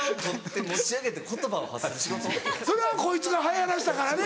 それはこいつが流行らしたからね